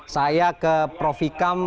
saya ke prof ikam